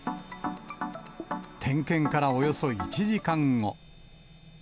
点検からおよそ１時間後。